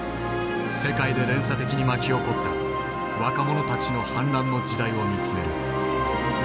世界で連鎖的に巻き起こった若者たちの反乱の時代を見つめる。